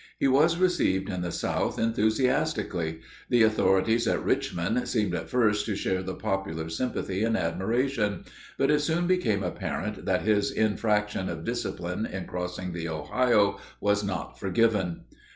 He was received in the South enthusiastically. The authorities at Richmond seemed at first to share the popular sympathy and admiration. But it soon became apparent that his infraction of discipline in crossing the Ohio was not forgiven.